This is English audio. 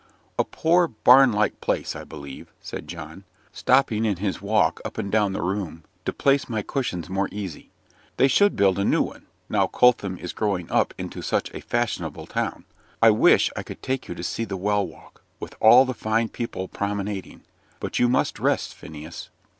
"A poor barn like place, I believe," said John, stopping in his walk up and down the room to place my cushions more easy; "they should build a new one, now Coltham is growing up into such a fashionable town. I wish I could take you to see the "Well walk," with all the fine people promenading. But you must rest, Phineas."